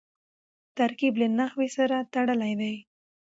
ترکیب له نحوي سره تړلی دئ.